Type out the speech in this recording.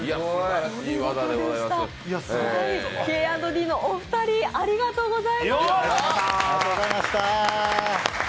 Ｋ＆Ｄのお二人、ありがとうございました。